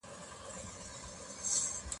امکان نه لري چي انسان د بل له غولولو تیر سي.